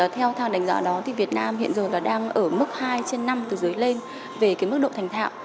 theo đánh giá đó việt nam hiện giờ đang ở mức hai trên năm từ dưới lên về mức độ thành thạo